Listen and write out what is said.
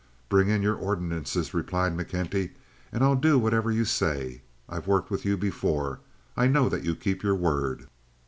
"Bring in your ordinances," replied McKenty, "and I'll do whatever you say. I've worked with you before. I know that you keep your word."